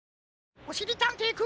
おしりたんていくん。